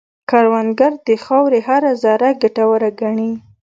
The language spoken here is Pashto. کروندګر د خاورې هره ذره ګټوره ګڼي